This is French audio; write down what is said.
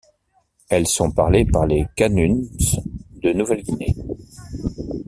Elles sont parlées par les kanums de Nouvelle-Guinée.